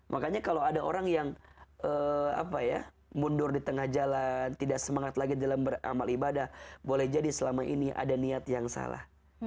makanya kalau ada orang yang mundur di tengah jalan tidak semangat lagi dalam beramal ibadah boleh jadi selama ini ada niat yang salah